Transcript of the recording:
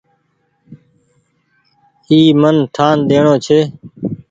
اي من ٺآن ڏيڻو ڇي۔